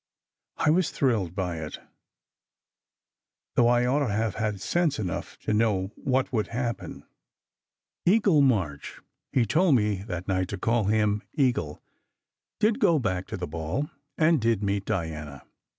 I was thrilled by it, though I ought to have had sense enough to know what would happen. 38 SECRET HISTORY Eagle March ( he told me that night to call him Eagle) did go back to the ball, and did meet Diana.